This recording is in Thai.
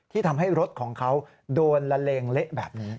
ทำให้รถของเขาโดนละเลงเละแบบนี้